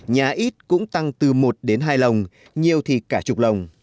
nhà ít cũng tăng từ một đến hai lồng nhiều thì cả chục lồng